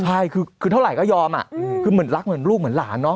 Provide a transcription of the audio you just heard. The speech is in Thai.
ใช่คือเท่าไหร่ก็ยอมอ่ะคือเหมือนรักเหมือนลูกเหมือนหลานเนาะ